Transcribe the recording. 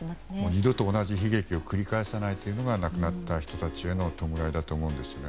二度と同じ悲劇を繰り返さないのが亡くなった人たちへの弔いだと思うんですよね。